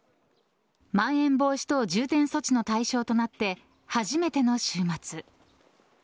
まん延防止等重点措置の対象となって初めての週末。